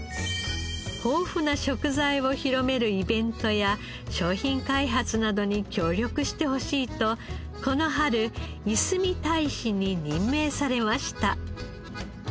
豊富な食材を広めるイベントや商品開発などに協力してほしいとこの春いすみ大使に任命されました。